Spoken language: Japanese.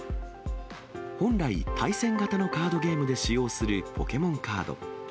本来、対戦型のカードゲームで使用するポケモンカード。